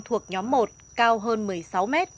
thuộc nhóm một cao hơn một mươi sáu mét